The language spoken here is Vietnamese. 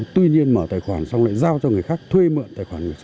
tuy nhiên mở tài khoản xong lại giao cho người khác thuê mượn tài khoản